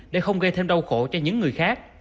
để không gây thêm đau khổ cho những người khác